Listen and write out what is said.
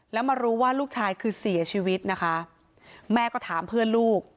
แล้วมารู้ว่าลูกชายคือเสียชีวิตนะคะแม่ก็ถามเพื่อนลูก